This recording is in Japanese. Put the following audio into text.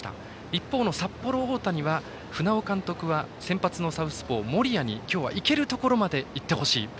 一方の札幌大谷は船尾監督は、先発のサウスポー森谷に今日は行けるところまで行ってほしい。